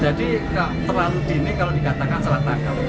jadi terlalu dini kalau dikatakan salah tangkap